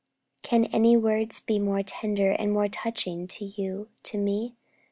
Can any words be more tender, more touching, to you, to me?